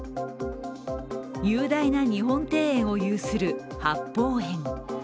雄大な日本庭園を有する八芳園。